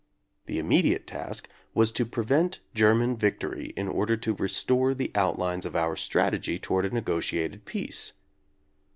The immediate task was to prevent German victory in order to restore the outlines of our strategy toward a nego tiated peace.